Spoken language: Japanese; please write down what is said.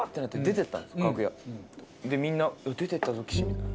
楽屋でみんな「出てったぞ岸」みたいな。